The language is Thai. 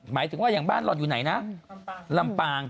หมายถึงว่าอย่างบ้านหล่อนอยู่ไหนนะลำปาง